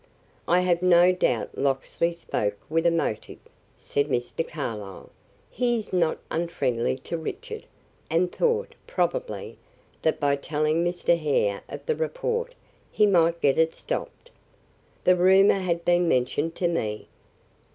"I have no doubt Locksley spoke with a motive," said Mr. Carlyle. "He is not unfriendly to Richard, and thought, probably, that by telling Mr. Hare of the report he might get it stopped. The rumor had been mentioned to me."